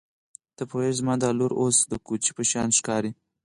ته پوهېږې زما دا لور اوس د کوچۍ په شان ښکاري.